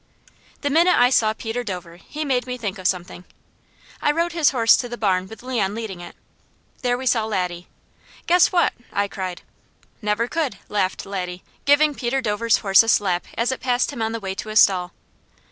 The minute I saw Peter Dover he made me think of something. I rode his horse to the barn with Leon leading it. There we saw Laddie. "Guess what!" I cried. "Never could!" laughed Laddie, giving Peter Dover's horse a slap as it passed him on the way to a stall.